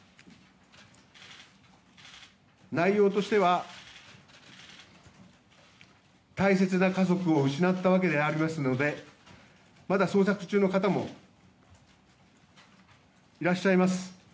内容としては、大切な家族を失ったわけでありますのでまだ捜索中の方もいらっしゃいます。